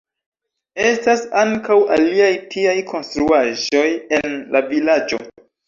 Estas ankaŭ aliaj tiaj konstruaĵoj en la vilaĝo.